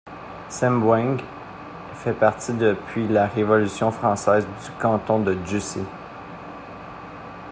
Cemboing fait partie depuis la Révolution française du canton de Jussey.